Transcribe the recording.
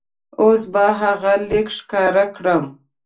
اوس به هغه لیک ښکاره کړم.